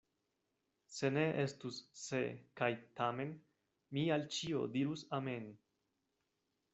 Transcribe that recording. Se ne estus "se" kaj "tamen", mi al ĉio dirus amen.